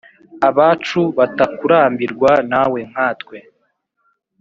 abacu, batakurambirwa nawe nkatwe